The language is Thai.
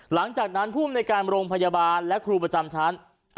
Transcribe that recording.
หลังจากนั้นภูมิในการโรงพยาบาลและครูประจำชั้น